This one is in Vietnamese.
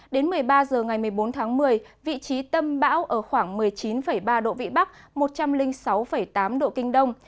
đến một mươi ba h ngày một mươi bốn tháng một mươi vị trí tâm bão ở khoảng một mươi chín ba độ vị bắc một trăm linh sáu tám độ kinh đông